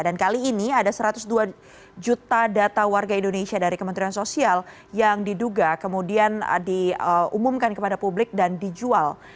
dan kali ini ada satu ratus dua juta data warga indonesia dari kementerian sosial yang diduga kemudian diumumkan kepada publik dan dijual